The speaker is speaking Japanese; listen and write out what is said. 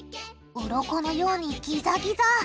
うろこのようにギザギザ！